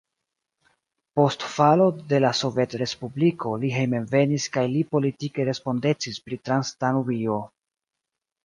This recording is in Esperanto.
Post falo de la sovetrespubliko li hejmenvenis kaj li politike respondecis pri Transdanubio.